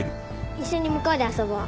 一緒に向こうで遊ぼう。